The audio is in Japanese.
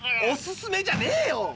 おすすめじゃねえよ。